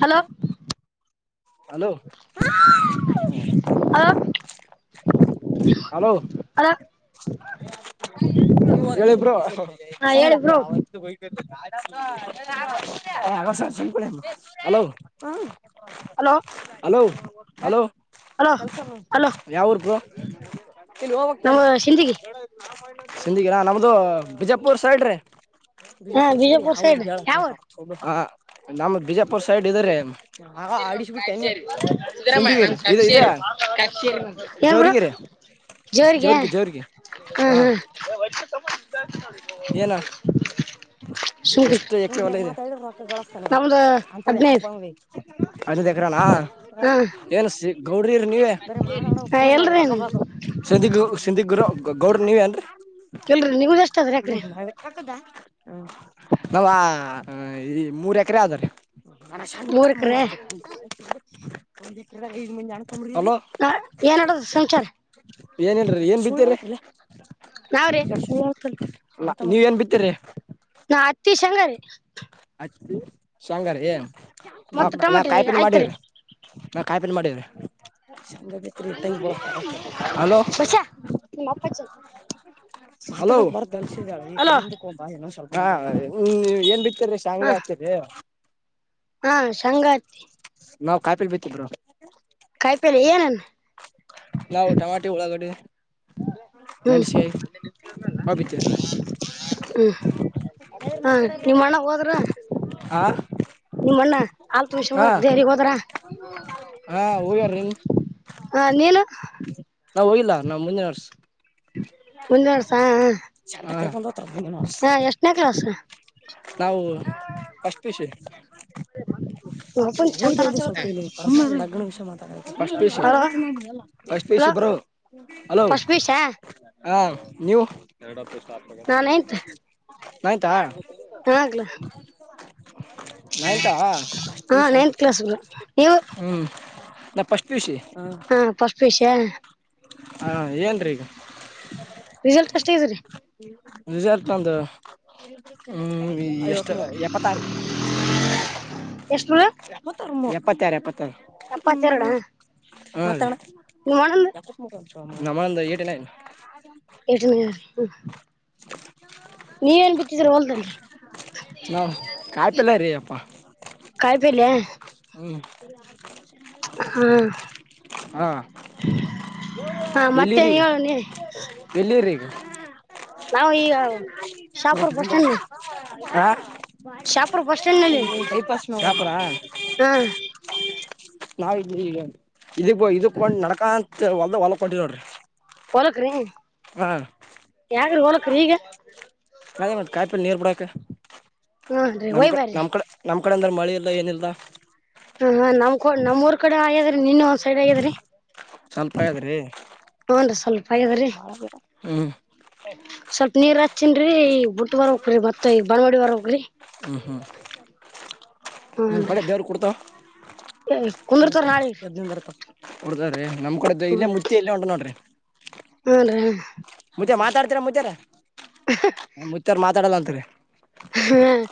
Hello hello ಹಾ ಅದ ಹೇಳಬ್ರ ಹಾ ಹೇಳಿ ಬ್ರೋ ಅವತ್ತು ಹ ಅ ಸ ಶ ಹಲೋ ಹ ಹಲೋ ಹಲೋ ಹಲೋ ಹಲೋ ಕೆಲ್ಸ ಹಲೋ ಯಾವ್ರಗ ಇಲ್ಲಿ ಹೋಗಕ್ತಾ ನಮ್ಮ ಸಿಂದಗಿ ಸಿಂದಗರಾ ನಮ್ದು ಬಿಜಾಪುರ್ ಸೈಡ್ ಬಿಜಾಪುರ್ ಸೈಡ್ ಯಾವ ಹೇಳ ನೀ ನಮ್ಮ ಬಿಜಾಪುರ್ ಸೈಡ್ ಇದ್ರ ಆ ಆಡಿಸ್ಬಿಟ್ಟೆ ನೀ ಸುಧಿಗಿರಿ ಇ ಇದ ಏನ್ ಬ್ರೋ ಜರಿಗಿರಿ ಜೋರಿಗೆ ಜೋರಿಗೆ ಹ್ಮ್ ಏನ ಹ್ ಎಷ್ಟು ಎಕರೆಲ್ಲ ಇದೆ ನಮ್ದು ಅಂತ ಯಾ್ ಹದ್ನೈದು ಅಕ್ರಾನ ಹಾ ಏ [unintelligible] ಗೌಡ್ರ ನೀವ ಹಾ ಎಲ್ರಿ ಸಿಧಿಗ್ರು ಗೌಡ್ರ ನೀವೇ ಅಏನ್ರೀ [inaudible] ಇಲ್ರಿ ನಿಮ್ದ ಎಷ್ಟ ಅದ್ರಿ ಹ ಎಕ್ರೆ ಮಾಡಬೇಕದಾ ಹ ನಾವ್ ಈ ಮೂರ್ ಎಕರೆ ಆದಾವದ್ರೀ ಮನ ಶಂತ ಮೂರ್ ಎಕ್ರೆ ಮೂಡೆ ಎ ಮಂದ ಹಲೋ ನಾ ಏನ್ ನಡದ ಸಂಚಾರ ಏನ್ ಹೇಳಲ್ರಿಿ ಏನ್ ಬಿದ್ದಿರಿಿ ನಾವ್ರಿ ಕೆ ಆ ಅಲ್ಲ ನೀವೇಏನ್ ಬಿತ್ತೀರಿ ನಾ ಹತ್ತ ಶಂಗಾರ ಶಂಗಾರ ಏನ್ ಮತ್ತ ನಾ ಟೊಮೆಟೊ ರೀ ಕಾಯ್ಪಿನ ಆಯ್ತ್ರಿ ಮಾಡೀ್ರ ಕಾಯಿಪನ್ [unintelligible] ಮಾಡಿದ್ರಿ ಹಲೋ ಬಷಾ ನಿ ಮಪ್ಪ ಚ [unintelligible] ಹಲೋ ಬಲ್ಸಿದಾಳ ಈ ಹಿಂದಕ್ಕೆ ಹಬ್ಬಾ ಏೊ ಸ್ವಲ್ಪ ಏನ್ ಬಿ [inaudible] ಆತರಿೀ ಶಾಂಗ ಹಾ ಹಾತರಿ [unintelligible] ಹಾ ಸಂಂಗಾತಿ ನಾವ್ ಕಾಪಿಲಿ ಬಿತ್ತಿದ ಬ್ರೋ ಕಾಯಿಪಲ್ಲೆ ಏನನ್ [inaudible] ನವುಟಮಾಟೆ ಳಾಾಗಡಿ ಮಳಷೇ ಹ [unintelligible] [unintelligible] ಹಾ ನಿಮ್ಮಣ್ಣ ಹೋದ್ರ ಹಾ ನಿಮ್ಮಣ್ಣ ಅಲ್ತ್ ಹಾ ನಿಮಷರೇ ಹೋದ್ರ ಹಾ ಹೋಗ್ಯಾರ್ರಿ ಹ ನೀನು ನಾವು ಹೋಗಲ್ಲ ನಮ್ಮ್ ಮುಂದಿನರ್ಸ ಮುಂದರ್ಸ ಹ ಎಷ್ಟನೇ ಕ್ಲಾಸ್ ನಾವು ಫಸ್ಟ್ ಪಿ ಯು ಸಿ ಹ [unintelligible] ಹೋಗದವ ಸ್ವ [unintelligible] ಲ್ಪ ಇಷ ಮಾತಾಡಿ ಹಲೋ ಹಲೋ ಬ [unintelligible] ಫಸ್ಟ್ ಪಿ ಯು ಸಿ ಹಾ ನೀವು ನಾ ನೈನ್ತ್ ಆಯ್ತಾ ಹಗ್ಲ ನತಾ [unintelligible] ಷ [unintelligible] ನ್ ನೈನ್ತ್ ಕ್ಲಾಸ್ ಬ್ರೋ ನೀವು ಹ್ಮ್ ನ ಫಸ್ಟ್ ಪಿ ಯು ಸಿ ಹಾ ಫಸ್ಟ್ ಪಿ ಯು ಸಿ ಯ ಹ ಏನ್ರೀ ಈಗ [inaudible] ರಿಸಲ್ಟ್ ಅಷ್ಟ ಇದ್ರರಿ ನಿಜ ಇತಂದ ಹ್ಮ್ಷ್ಟ [unintelligible] ಎಷ್ಟ ಬ್ರೋ ಎಪ್ಪತ್ತಾರ ಪತ್ತಾರೆಪ್ಪತ್ತಾರೆ ಹ್ಮ ನಿ ಮಂದು [unintelligible] ನಮ್ಮಂದು ಏಟಿನನ್ [unintelligible] ಎಟನಾರಿ [unintelligible] ನೀವ ನ್ ಬಿತ್ತಿದ್ರ ಹೊಲ್ದಲ್ರಿ ನಾವ್ ಕಾಯಿಪಲ್ಲ ರೀ ಅಪ್ಪಾ [inaudible] ಕಾಯ ಪೇಲೆ ಹ್ಮ್ ಹ್ಮ ಹಾ ಹಾ ಮತ್ತೆನ್ ಹೇಳ ನೀನೇ ತಿರಿ [unintelligible] ನಾವು ಈಗ ಶಾಪುರ್ ಬಸ್ಸಟ್ಯಾಂಡ್ ಹಾ ನಲ್ಲಿ [unintelligible] ಜಪಸ್ ಸ [unintelligible] ಪರ ಹಾ [unintelligible] ನಾವ ಇ ಇದ ಇದಕ್ೊಂಡ್ ನಡಕ ಅಂತ ಹೊಲ್ದ ಹೊಲ ಕೊಟ್ಟಿದೋಡ್ರಿ ಹೋಲಕ್ರಿ [inaudible] ಯಾಗ್ರಿ ಹೋಲಕ್ರಿ ಈಗ ಅ ಮಾಡ ಕಾಯಪಲ್ ನೀರು ಬಿಡಾಕ ಹ್ನ್ ರೀ ನಮ್ ಒಯ್ ಬ್ಯಾರ್ರಿ ನಮ್ ಕಡೆ ನಮ ಕ ಕಡೆ ಅಂದ್ರೆ ಮಳಿ ಇಲ್ಲ ಏನಿಲ್ಲ ಹ ನಮ್ಕ ನಮ್ ಊರ್ ಕಡೆ ಆಗ್ಯಾದ್ರಿ ನೀನ್ ಒಂದ್ ಸೈಡ್ ಆಗ್ಯದ್ರಿ ಸ್ವಲ್ಪ ಆದ್ರಿ ಹೂನ್ ರೀ ಸ್ವಲ್ಪ ಆಗ್ಯದ್ರಿ ಹ್ಮ ಸ್ವಲ್ಪ ನೀರ್ ಹಚ್ಚನ್ರಿ ಬುಟ್ಟ ಬರಕ್ರರೋ ಮತ್ತತ್ ಈ ಬನ್ವಾಡಿ ಬರ್ಗ್ರಿ ಹ್ಮ್ ಹ್ಮ್ ಹ್ಮ್ ಹೂನ್ ರೀ ಒಳೆ ದೇವ್ರ ಕೊಡ್ತಾವ ಇಲ್ಲ ಕುಂದರ್ತಾರ ನಾಳಿಗ್ ಎನ ಬರ್ತ ಹೊಡ್ದ್ರೆ [unintelligible] ನಮ್ ಕೂಡ ಹ್ಮ ಇಲ್ಲೇ ಮುದೆ ಇಲ್ಲ ಉಂಟು ನೋಡ್ರಿ ಹೂನ್ ರೀ ಮು್ದೆ ಮಾತ್ರ ಮಾತಾಡ್ತರ ಮುಜರ ಮುುತ್ತಾರ್ ಮಾತಾಡಲ್ಲ ಅಂತರಿ ಹ್ಮ್ಮ್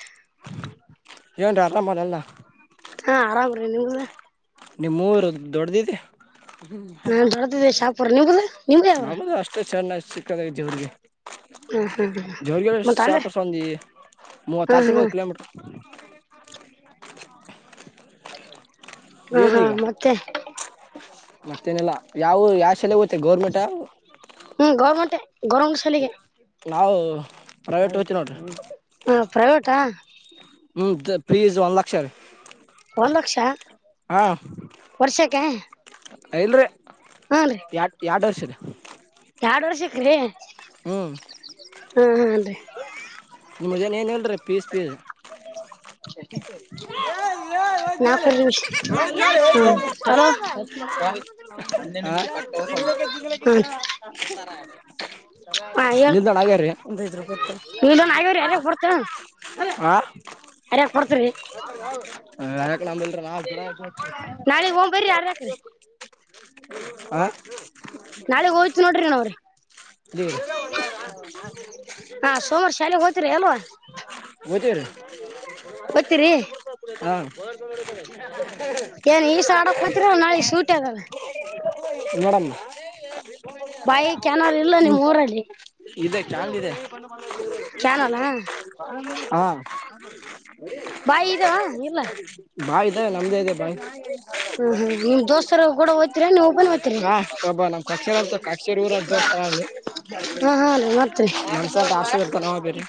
ಯನು ರಲ್ಲ ಮಲ್ಲಲ್ಲ [unintelligible] ಹಾ ಆರಾಮ್ರೀ ನಿಮ್ದ [unintelligible] ನಿಮ್ಮುರು ದೊಡ್ಡ್ದಿದೆ ನಾನ್ ಬರ್ದಿದ್ದೆ ಶಾಪುರ್ ನಿಗ್ದ ನಮ್ಮದು ಅಷ್ಟು ಚೆನ್ನಾಗಿ ಸಿಕ್ಕದ ಜೇವ್ರಿಗೆ [unintelligible] ಹ ಹಾ ಜೋರ್ಗೆ ಶಾಪರ್ಸ್ [unintelligible] ಒಂದು ಮೂವತ್ತತ್ತ ಇವತ್ತು ಕಿಲೋಮೀಟರ್ ಹ [unintelligible] ಹಾ ಹಾ ಏನೀಗ ಮತ್ತೆ ತ್ತನೆಲ್ಲಾ ಯಾವ ಯಾವ ಶಲೆ ಹೋಗತ್ತೆ ಗೌರ್ಮೆಂಟ್ ಹ್ಮ್ ಗೌರ್ಮೆಂಟ್ ಗೌರ್ಮೆಂಟ್ ಶಾಲಿಗೆ ನಾವು ಪ್ರವೇಟ್ ಹ ಪ್ರವೇಟಾ ಹ್ಞ ಫೀಸ್ ಒನ್ ಲಕ್ಷ ರೀ ಒಂದು ಲಕ್ಷ ಹಾ ವರ್ಷಕ್ಕೆ ಲ್ರೀ ಯಾಡ್ ಯಾಡ್ ವರ್ಷ ರ ಎರಡ್ ವರ್ಷಕ್ಕೀ ಹಾ ಹ ಅದ್ರರಿ ನಿಮ್ಮದ ಏನ ಏನ್ ಹೇಳರಿಪೀಸ್ ಪೀಸ್ [unintelligible] [unintelligible] ನಾಕ ನಿಷ -ಹ ನಿಲ್ಂದಾಣ ಆಗ್ಯಾರೀ ಒಂದ ರೂತ್ತು [unintelligible] ಇನ್ ಆಗ್ಯ್ ಯಾರ ಬಡ್ತ ಹಾ ಅರಿಕ ಕೊಡ್ತರಿ ಹ -ಯಕ ನಂಬಲ್ರ ನಾಲ್ರ ನಾಳೆಗ್ ಹೋಗತು ನೋಡ್ರಿಣ ಅವ್ರೆ ದ ಹಾ ಸೋಮಾರ ಶಾಲೆಗ್ ಹೋಗ್ತಿರಿ ಅಲ್ವಾ [unintelligible] ಒತ್ತೀ ರ ಹೋಗ್ತಿರಿ ಹಾ [unintelligible] ಏನ್ ಈ ಸಡ ಕೂತಿರ ನಾಳಗ್ ಶೂಟ್ ಆಗಲ್ಲ ನೋಡೋಣ ಬೈ ಕ್ಯಾನರ್ ಇಲ್ಲ ನಿಮ್ಮ್ ಊರಲ್ಲಿ ಇದೆ ಕ್ಯಾನ್ ಇದೆ ಕ್ಯಾನನ ಹಾ ಬಾಯಿ ಇದಾವ [unintelligible] ಬಾಯ್ ಇದೆ ನಮ್ದೇ ಇದೆ ಬಾಯಿ ಹ್ಮ್ ಹ್ಮ್ ನಿಮ್ ದೋಸ್ತರು ಕೂಡ ಹೋಗ್ತೀರಾ ನೀವ್ ಒಬ್ಬನೇ ಹೋಗ್ತೀರಿ ಹಾ ಪ್ರಬ [unintelligible] ನಮ್ ಕಕ್ಷರ ಅಂತ ಅಕ್ಷರ ಊರ ದೋಸ್ [unintelligible] ಹಾ ಹಾ ರ ಮತ್ರಿ ಹಾಸ್ಟೆಲ್ ಇರ್ತಾನ ಅವ ಬೇರೆ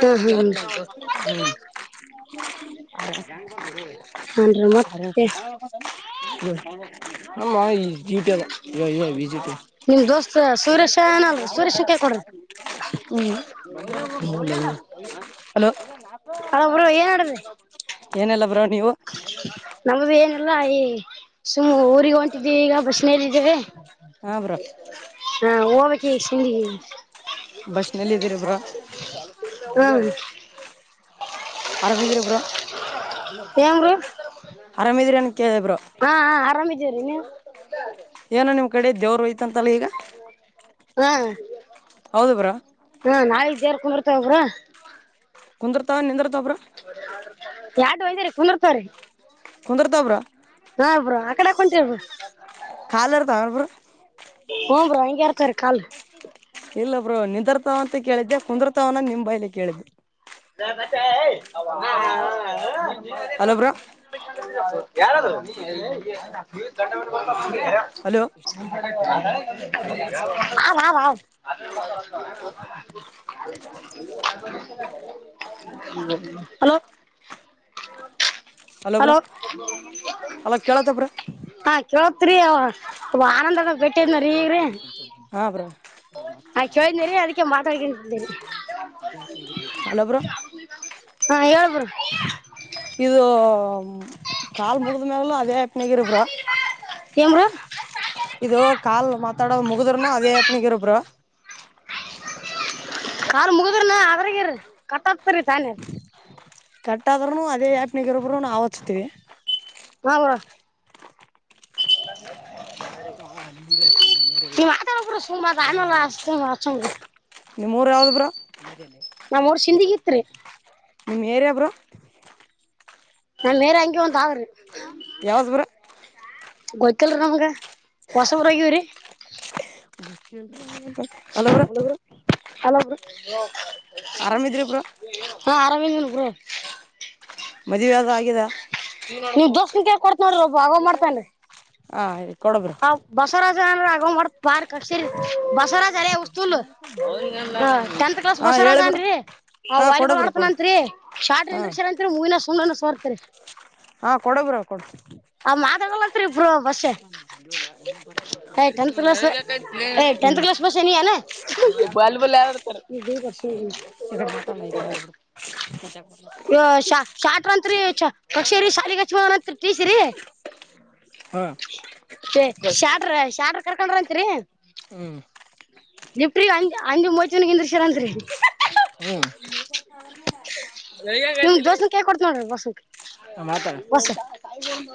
ಹ ಹ [unintelligible] [unintelligible] [unintelligible] ಅ ಹಾನ್ ರೀ ಮತ್ತೆ [unintelligible] ಮಾಡ [unintelligible] ವಿಜಪ ಯ ವಿಜಿಪ [unintelligible] ನಿಮ್ ದೋಸ್ತ್ ಸುರೇಶ ಏನಲ್ರಿ ಸುರೇಶನ್ ಕೈ ಕೊಡ್ರಿ ಹ್ಮ್ ಹಲೋ ಅಲ ಬ್ರೋ ಏನಿಲ್ಲ ಬ್ರೋ ನೀವು ನಮ್ದ ಏನಿಲ್ಲ ಈ ಸುಮ್ಮ್ ಊರಿಗೆ ಒಂಟಿದಿವಿ ಈಗ ಬಸ್ ಮೇಲಿಿದ್ದವೆ ಹಾ ಬ್ರೋ ಹಾ ಸಿ ಬಸ್ನಲ್ಲಿ ಇದೀರಿ ಬ್ರೋ [unintelligible] ಹ ಆರಾಮಿದ್ದೀರಾ ಬ್ರೋ ಏನ್ ಬ್ರೋ ಆರಾಮಿದ್ದೀರಾ ಬ್ರೋ ಹಾ ಆರಾಮಿದೀರಿ ನೀವು ಏನೋ ನಿಮ್ಮ ಕಡೆ ದೇವರು ಹೋಯಿತಂತೆ ಹಾ ಹೌದು ಬ್ರೋ ಹಾ ನಾಯತ ದೇವರ ಕುಂದರ್ತವು ಬ್ರೋ. ಕುಂದ್ರತಾವ ನಿಂದ್ರತಾವ ಬ್ರೋ. ಎಾರ್ಡು ವೈದರಿ ಕುಂದರ್ತ್ರೀ. ಕುಂದ್ರತಾವ ಬ್ರೋ. ಹಾ ಬ್ರೋ ಆ ಕಡೆ ಯಾಕ್ ಹೊಂತೇರಿ ಬ್ರೋ. ಕಾಲ ಇರ್ತಾವ ಏನ್ ಬ್ರೋ. ಹ್ರ ಹಂಗೆ ಇರ್ತಾರ ಕಾಲ್. ಇಲ್ಲ ಬ್ರೋ ನಿದ್ರತಾವ ಅಂತ ಕೇಳಿದ್ದೆ ಕುಂದ್ರತವನ ನಿಮ್ ಬೈಲಿ ಕೇಳಿದ್ದೆ. [inaudible] ಹಲೋ ಬ್ರೋ ಯಾರು ಅದು ಹಲೋ [inaudible] [inaudible] ಹಲೋ. ಹಲೋ ಹಲೋ ಕೇಳತ್ತ ಬ್ರೋ ಹಾ ಕೇಳತ್ರಯ. ಓಹ್ ಆನಂದಗ ಬಿಟ್ಟಿದ್ನ ರೀ ಈಗ್ರೀ. ಹಾ ಬ್ರೋ ಆ ಹಲೋ ಕೇಳಿದ್ನ ರೀ ಅದಕ್ಕೆ ಮಾತಾಡ್ಕಂತಿದ್ದೇರಿ ಬ್ರೋ. ಹಾ ಹೇಳ್ ಬ್ರೋ. ಇದು. ಕಾ ಮುಗಿದಮಲೆಲ್ಲ ಅದೇ ಎನಗೆರು ಬ್ರೋ. ಏನ್ಬ್ರ ಇದು ಕಾಲ್ ಮಾತಾಡದು ಮುಗುದ್ರನು ಅದೇ ಯಪ್ನಿಗಿರ ಬ್ರೋ. ಯಾರ್ ಮುಗುದ್ರನ ಅದ್ರಗರರಿ ಕಟ್ಕ್ತರಿರಿ ತಾನಿ. ಕಟ್ ಆದ್ರೂನು ಅದೇ ಆ್ಯಪ್ನಗ ಇರು ಬ್ರೋ ನಾವು ಹಚ್ತಿೀವಿ. ಹಾ ಬ್ರೋ. [inaudible] ಈ ಮಾತ ಕೂಡ ಸುಮ ತಾನಲ್ಲ ಅಷ್ಟತ. ನಿಮ್ಮೂರ ಯಾವುದು ಬ್ರೋ. ನಮ್ ಊರ್ ಸಿಂದಿಗಿ ಇತ್ರಿ ನಿಮ್ ಏರಿಯ ಬ್ರೋ. [unintelligible] ಯಾವ್ದ ಬ್ರೋ. ಗೊತ್ತಿಲ್ರಿ ನಮ್ಗ ಹೊಸಬ್ರಾ ಆಗಿವೆ. Hello bro. ಹುಡುಗ್ರು ಹಲೋ ಬ್ರೋ. ಆರಾಮಿದ್ರಿ ಬ್ರೋ. ಹಾ ಆರಾಮ ಇದೇನ ಬ್ರೋ. ಮದುವೆ ಅದು ಆಗಿದ. ನಿಮ್ ದೋಸ್ತನ್ ಕೈಯಾಗ್ ಕೊಡ್ತ್ ನೋಡ್ರಿ ಒಬ ಆಗೋ ಮಾಡ್ತನ್ರಿ. ಹಾ ಅಯ್ತು. ಆ ಬಸವರಾಜ ಅಂದ್ರ ಆಗ್ ಬಾರ್ ಕಕ್ಷಿ ಬಸವರಾಜ ಅರೇ ಉಸ್ತೂಲ್ ಟೆಂತ್ ಕ್ಲಾಸ್ ಹಾ ಬಸವರಾಜ ಹೇಳಿ ಬ್ರೋ ಅನ್ರಿ. ಆ ಹಾ ಕೊಡ ವಾಲಬಾಲ್ ಬ್ರೋ ಆಡತನ ಕೊಡು ಅಂತ್ರಿ ಹಾ ಶಾರ್ಟ್ರಂದ್ರ ಶರ ಅಂತತ್ರಿ ಮೂವಿನ ಸುಣ್ಣನ ಸೋರ್ತರಿ. ಹಾ ಕೊಡು ಬ್ರೋ ಕೊಡ. ಆ ಮಾತಾಡಾಂತ್ರಿ ಬ್ರೋ ಬಸ್ಯಾ. ಏ ಟೆಂತ್ ಕ್ಲಾಸ್ ಬಸ್ ನೀ ಏನ [inaudible] ಈ ಕಡೆ ಮಾತಾಡ ಈ ಕಡೆ ಇಬ್ರು [inaudible] [unintelligible] ಹಾ ಶ್ಯಾಡ್ರ ಶ್ಯಾಡ್ರ ಕರ್ಕೊಂಡ್ರ ಅಂತರಿ. ಹ್ಮ್. ಲಿಫ್ಟ್ಗೆ ಅಜ ಅಂಜ ಮೂವತ್ ಜನಗಿಂದ್ರ ಶರಾಂತ್ರಿ. ಹ್ಮ್ ನಿಮ ದೋಸ್ತನ ಕೈಯಾಗ ಕೊಡ್ತ ನೋಡ್ರಿ ಬಸುಗ. ಮಾತಾಡ ಹೊಸ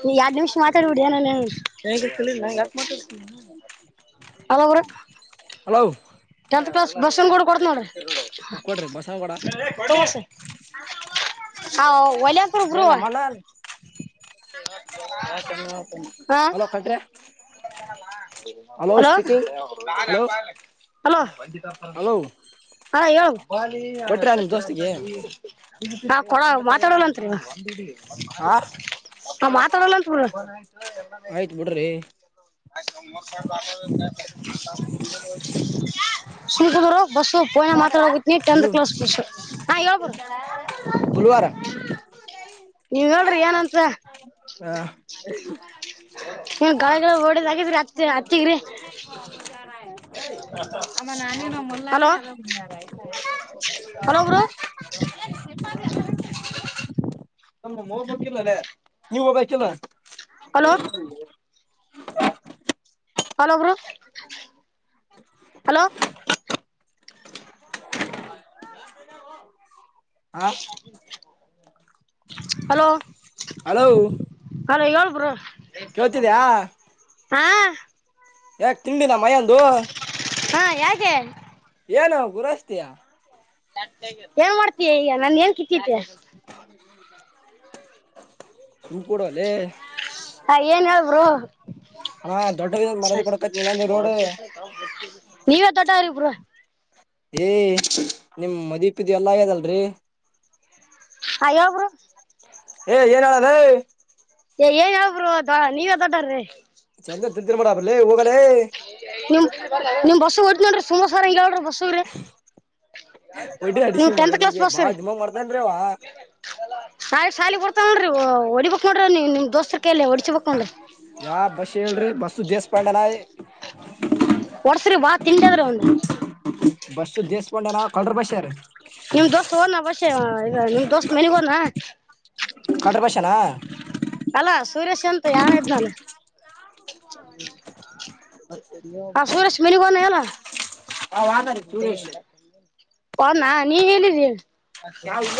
ನೀ ಎರಡ್ ನಿಮಿಷ ಮಾತಾಡ್ಬಿಡಿಯ ನನ್ನ [unintelligible] ಹಲೋ ಬಸನ್ ಕೂಡ ಕೊಡತ ನೋಡ್ರಿ ಕೊಡ್ರಿ ಬಸವ ಕೊಡ ಹಾ ಒಲ ಏ ಹಕಬ ನಮ್ಮಣ್ಣ ಆಯ್ತನ ಆಯ್ತನೆ ಅಲೋ ಕಟ್ರಿ ಹಲೋ ಹಲೋ ಹಲೋ ಹಲೋ ಹಾ ಕೊಟ್ರ ನಿಮ್ ಯಾಲರ ದೋಸ್ತಿಗೆ ನಾ ಕೊಡ ಮಾತಾಡಲಂರಿ ಆ ನಾ ಮಾತಾಡಲ್ಲ ಅಂತ ಆಯ್ತ್ ಬಿಡ್ರಿ ಶತ ಬರ ಬಸು ರೋನ ಮಾತಾಡ ಹೋಗನ ಟೆಂತ್ ಹ್ಮ್ ಕ್ಲಾಸ್ ಪುಷ ಹಾ ಯಬರು ಪುಲ್ವಾರ ನೀವ ಹೇಳ್ರಿ ಏನ ಹಾ ಏನ್ ಗಳ ಗಳ ಹೊಡಿದ್ ಆಗಿದ್ರಿ ಅತ್ತಿ ಅತ್ತಿಗ್ರಿ ಅರ ಆಮ್ಮ ನಾನೇನು ಹಲೋ ಮಲ್ಲಾಲೆ ಅಲ್ಲಾರ ಹಲೋ ಬ್ರೋ ಆಯ್ತ [inaudible] ಹೋಗ್ಬೇಕಿಲ್ಲೇ ನೀವ ಹೋಗಕಿಲ್ಲ ಹಲೋ ಹಲೋ ಗ ಹಲೋ ಹ ಹಲೋ ಹಲೋ ಅಲೋ ಹೇಳಬರು ಕೇಳ್ತಿದ್ಯಾ ಹಾ ಯಾಕ ತಿಂಡಿನ ಮಯಂದು ಹಾ ಯಾಕೆ ಯನು ಹ ಗು ರಸ್ತೆಯ ಏನ್ ಮಾಡ್ತೀಯ ಈಗ ನನ್ ಏನ್ ಕಿತ್ತತೆ ಹ [unintelligible] ಹ ಏನ್ ಹೇಳರು ಹಾ ದೊಡ್ಡ ಮರದ ಸರಿ ಕೊಡಕತ್ ನೀನಂದ ರೋಡ್ ನೀವ ತೋಟ ಅವ್ರಿಬರು ಏ ನಿಮ್ ಮದಿಪದಿ ಎಲ್ಲ ಆಗ್ಯದಲ್ರಿ ಅಯ್ಯ ಒಬ್ರು ಏ ಏನ್ ಹೇಳದೈ ಏನ್ ಯಾವ್ರರುವಾ ನೀವ್ದದಾರೀ ಚಂದ್ರ ತಿದ್ದಿ ಮಾಡಡ ಹೋಗ ನಿಮ ನಿಮ್ ಬಸ್ಸ ಓದ ನೋಡ್ರಿ ಸುಮ ಸಾರ ಹಂಗಗೆರಿ ಬಸ್ಸಗ್ರಿ ಒಡ್ಡಿ ನೀವು ಅಡಿಸಿ ಟೆಂತ್ ಕ್ಲಾಸ್ ಮಗನಿಗೆ ಬಾ ಪಾಸಾಗಿರಿ ದಿಮಾಗ್ ಮಾಡ್ತೇನ್ರಿ ಅವ ನಾಳೆ ಸಾಲಿಗಿ ಬರ್ತಾನಲ್ಲಾರಿಹೊಡಿಬೇಕು ನೋಡ್ರಿ ನೀವು ನಿಮ್ಮ ದೋಸ್ತ ಕಲ್ಲ ಹೊಡಿಸಬೇಕುಡ್ರಿ ಯಾವ ಬಸ್ಯಾ ಹೇಳ್ರಿ ಬಸ್ ದೇಸ್ಪಾಡಾರ ಒಡಿಸ್ರಿ ಬಾ ತಿಂಡದ್ರ ಅವಂದು ಬಸ್ಸ ದೇಸ್ಕೊಂಡೆ ನ ಕಲ್ ಬಸ್ ಯಾರ ನಿಮ್ ದೋಸ್ತ್ ಓದ್ನಾ ಬಸ್ಸ್ಯಾ ನಿಮ್ ದೋಸ್ತ್ ಮನಿಗಿ ಹೋದ್ನಾ ಕಡ್ರ ಬಸ್ನಾ ಅಲ್ಲ ಸುರೇಶ್ ಎಂತ ಯನ ಇದ್ನಾನು ಆ ಸುರೇಶ ಮಿನಗನ ಎಲ್ಲ ಹಾ ಹೋದರಿ ಸುರೇಶ್ ಹೋದ್ನಾ ನೀ ಹೆಲ್ಲಿದಿ ನಾ ಈಗ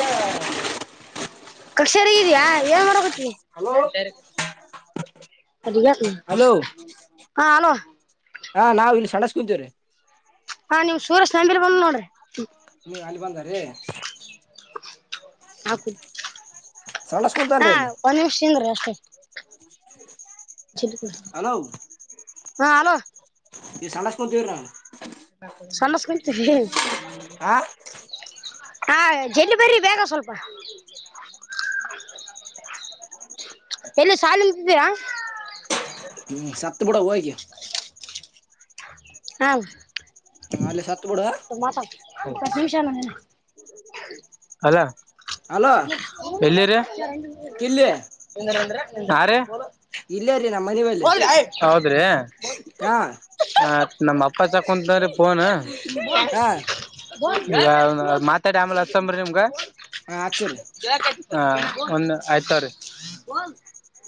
ಕ್ರಶಾರ್ಯಾಇದ್ಯಾಾ ಏನ್ ಮಾತಾಡಕುಂತಿ ಹಲೋ ಅರಿ ಹಲೋ ಹಾ ಹಲೋ ಹಾ -ನಾವ್ ಇಲ್ಲಿ ಸಣಸ್ ಕುೂಂತೇವ್ರೀ ಹಾ- ನಿಮ್ ಸೂರೇಶ್ ನಂಬಿರ್ ಬಂದ ನೋಡ್ರಿ ನೀವ್ ಅಲ್ಲಿ ಬಂದಾರೀ ಹಾ ಸಣಸ್ ಕುಂತನ್ರಿ ಇಲ್ಲಿ -ಒಂದು ನಿಮಿಷ ನಿದ್ರಿ. ಹಲೋ ಹಾ ಹಲೋ ಈ ಸಣಸ್ಕಂತವ್ರಾ [unintelligible] ಸಮಸ್ಕಂತ ರಿ ಹಾ ಹಾ ಜಲ್ಲಿ ಬರ್ರಿ ಬೇಗ ಸ್ವಲ್ಪ ಎಲ್ಲಿ ಶಾಲಂತಿದ್ದೀರಾ. ಹ್ಮ್ ಸತ್ಬುಡ ಹೋಗಿ ಹಾ ಹ ಅಲ್ಲಿ ಸತ್ತಬುಡು ಅಲ ಹಲೋ ಎಲ್ಲಿರಿ ಕಿಲ್ಲಿ ಯಾರೆ ಇಲ್ಲೇ ರೀ ನಮ್ಮ್ ಮನಿಬಲ್ಲಿ ಅಂದ್ರೆ ಹಾ ನಮ್ಮ ಅಪ್ಪಾ ಚಾಕಂತ್ರೆ ಫೋನು. ಹಾ ಮಾತಾಡಿ ಆಮೇಲೆ ಹಸಂಬ್ರಿ ನಿಮ್ಗ ಹ ಆಚರಿ ಹಾ ಒಂದು ಆಯ್ತ ರಿ